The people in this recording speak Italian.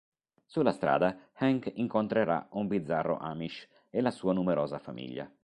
Sulla strada Hank incontrerà un bizzarro Amish e la sua numerosa famiglia.